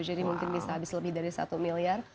jadi mungkin bisa habis lebih dari satu miliar